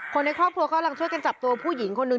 ในครอบครัวกำลังช่วยกันจับตัวผู้หญิงคนนึง